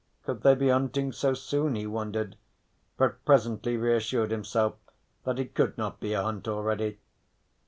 Could they be hunting so soon, he wondered, but presently reassured himself that it could not be a hunt already.